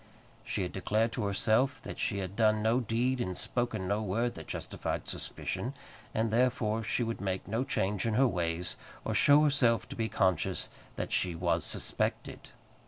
She had declared to herself that she had done no deed and spoken no word that justified suspicion, and therefore she would make no change in her ways, or show herself to be conscious that she was suspected.